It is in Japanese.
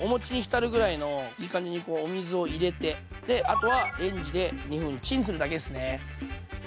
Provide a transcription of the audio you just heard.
おもちに浸るぐらいのいい感じにこうお水を入れてあとはレンジで２分チンするだけですね。